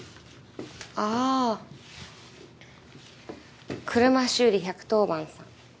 あ車修理１１０番さん。